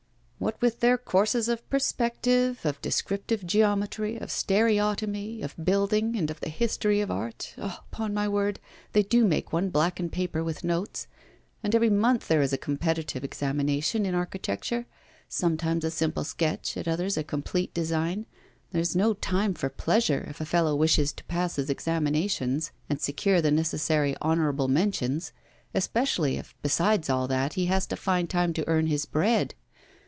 'What with their courses of perspective, of descriptive geometry, of stereotomy, of building, and of the history of art ah! upon my word, they do make one blacken paper with notes. And every month there is a competitive examination in architecture, sometimes a simple sketch, at others a complete design. There's no time for pleasure if a fellow wishes to pass his examinations and secure the necessary honourable mentions, especially if, besides all that, he has to find time to earn his bread.